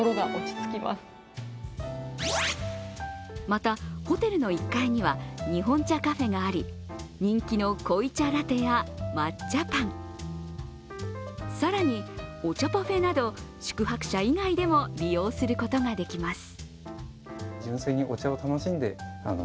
また、ホテルの１階には日本茶カフェがあり、人気の濃茶ラテや抹茶パン、更にお茶パフェなど宿泊者以外でも利用することができます。